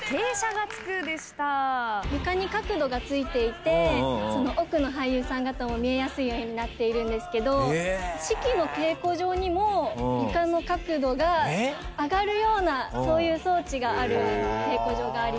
床に角度がついていて奥の俳優さん方も見えやすいようになっているんですけど四季の稽古場にも床の角度が上がるようなそういう装置がある稽古場があります。